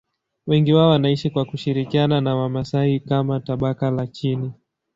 Wengi wao wanaishi kwa kushirikiana na Wamasai kama tabaka la chini.